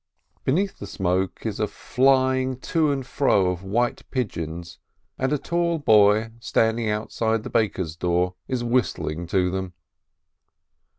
Beneath the smoke is a flying to and fro of white pigeons, and a tall boy standing out side the baker's door is whistling to them.